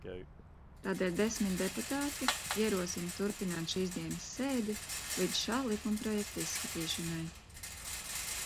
Tādēļ desmit deputāti ierosina turpināt šīsdienas sēdi līdz šā likumprojekta izskatīšanai.